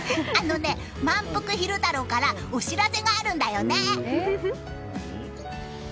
まんぷく昼太郎からお知らせがあるんだよね。